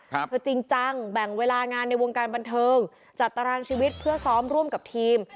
เธอจริงจังแบ่งเวลางานในวงการบันเทิงจัดตารางชีวิตเพื่อซ้อมร่วมกับทีม